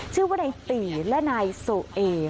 ชื่อว่านายตีและนายโซเอ